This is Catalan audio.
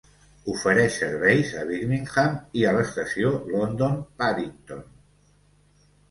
Ofereix serveis a Birmingham i a l"estació London Paddington.